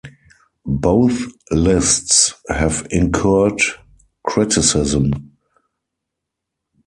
Both lists have incurred criticism.